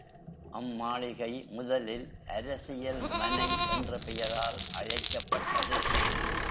அம்மாளிகை முதலில் அரசியல் மனை என்ற பெயரால் அழைக்கப்பட்டது.